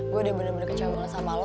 gue udah bener bener kecabungan sama lu